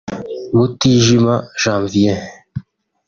Mutijima Janvier